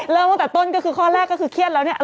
ตั้งแต่ต้นก็คือข้อแรกก็คือเครียดแล้วเนี่ย